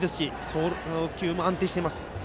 送球も安定しています。